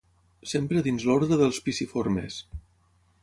Sempre dins l'ordre dels piciformes.